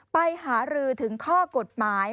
ไปหารือถึงข้อกฎหมาย